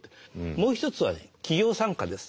もう一つは企業参加です。